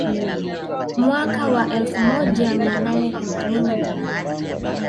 Mwaka wa elfu moja mia nane themanini na nane